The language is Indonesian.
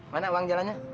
mana uang jalannya